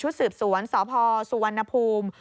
สืบสวนสพสุวรรณภูมิ